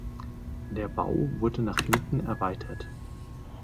Der Bau wurde nach hinten erweitert.